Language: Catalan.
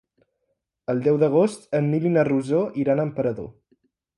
El deu d'agost en Nil i na Rosó iran a Emperador.